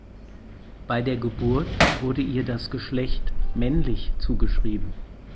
Bei der Geburt wurde ihr das Geschlecht „männlich“ zugeschrieben.